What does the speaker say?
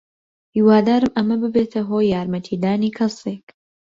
هیوادارم ئەمە ببێتە هۆی یارمەتیدانی کەسێک.